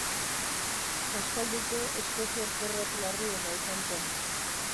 Aspaldiko eskoziar porrot larriena izan zen.